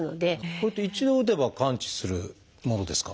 これって一度打てば完治するものですか？